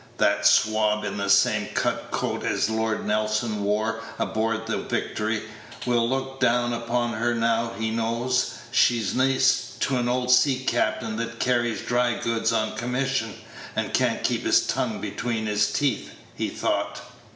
"That swab in the same cut coat as Lord Nelson wore aboard the Victory, will look down upon her now he knows she's niece to a old sea captain that carries dry goods on commission, and can't keep his tongue between his teeth," he thought.